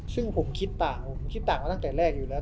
ซึ่งผมคิดต่างผมคิดต่างมาตั้งแต่แรกอยู่แล้ว